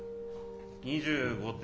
２５点。